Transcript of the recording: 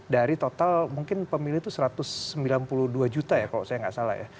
dari total mungkin pemilih itu satu ratus sembilan puluh dua juta ya kalau saya nggak salah ya